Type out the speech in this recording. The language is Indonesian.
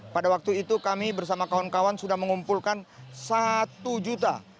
pada waktu itu kami bersama kawan kawan sudah mengumpulkan satu juta